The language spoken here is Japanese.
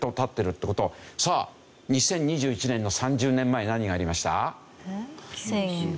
さあ２０２１年の３０年前何がありました？